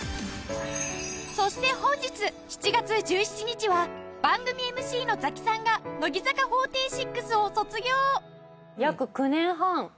そして本日７月１７日は番組ＭＣのザキさんが乃木坂４６を卒業！